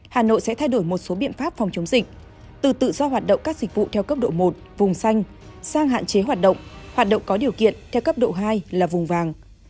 hà nội sẽ thay đổi một số biện pháp phòng chống dịch từ tự do hoạt động các dịch vụ theo cấp độ một vùng xanh sang hạn chế hoạt động hoạt động có điều kiện theo cấp độ hai là vùng vàng